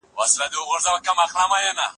موږ د باران د اوريدو په هیله یو.